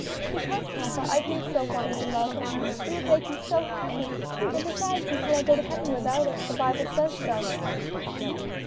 "Because, papa, I do so want you to love Him; it would make you so happy; and besides, you cannot go to heaven without it; the Bible says so."